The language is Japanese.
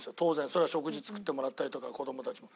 それは食事作ってもらったりとか子どもたちの。